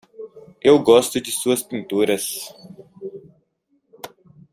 Eu gosto de suas pinturas.